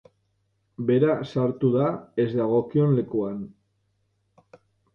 Bera sartu da ez dagokion lekuan.